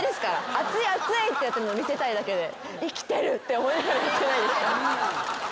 熱い熱いってやってるの見せたいだけで生きてるって思いながらやってないです。